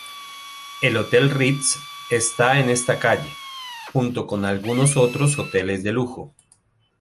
El Hotel Ritz está en esta calle, junto con algunos otros hoteles de lujo.